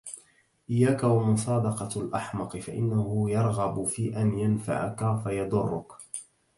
إياك ومصادقة الأحمق فإنه يرغب في أن ينفعك فيضرك.